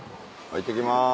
いってきます。